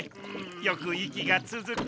よく息がつづく。